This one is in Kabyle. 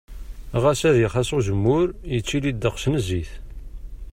Ɣas ad ixas uzemmur, yettili ddeqs n zzit.